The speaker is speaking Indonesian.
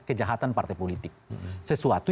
kejahatan partai politik sesuatu